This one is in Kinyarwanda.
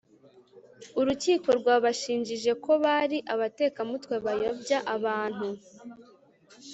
Urukiko rwabashinje ko bari abatekamutwe bayobya abantu